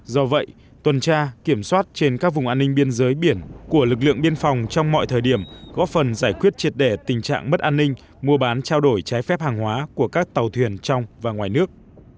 do vậy tuần tra kiểm soát trên các vùng an ninh biên giới biển của lực lượng biên phòng trong mọi thời điểm góp phần giải quyết triệt đẻ tình trạng mất an ninh mua bán trao đổi trái phép hàng hóa của các tàu thuyền trong và ngoài nước